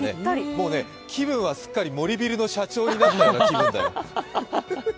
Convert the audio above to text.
もうね、気分はすっかり森ビルの社長になったような気分で。